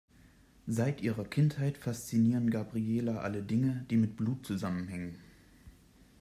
Seit ihrer Kindheit faszinieren Gabriela alle Dinge, die mit Blut zusammenhängen.